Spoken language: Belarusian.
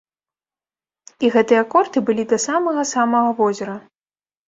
І гэтыя корты былі да самага-самага возера.